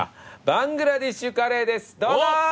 バングラデシュカレーですどうぞ！